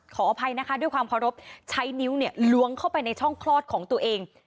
ขออภัยนะคะด้วยความเคารพใช้นิ้วเนี่ยล้วงเข้าไปในช่องคลอดของตัวเอง